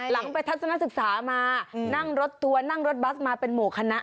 หลังไปทัศนสุขามานั่งรถตัวนั่งรถบัสต์มาเป็นหมู่คนะ